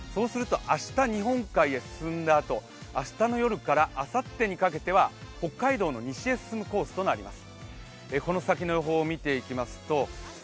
明日、日本海へ進んだあと、明日の夜からあさってにかけては北海道の西へ進むコースとなります。